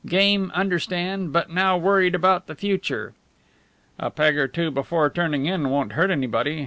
Game, understand, but now worried about the future." "A peg or two before turning in won't hurt anybody.